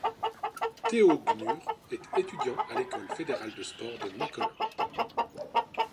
Théo Gmür est étudiant à l'école fédérale de sport de Macolin.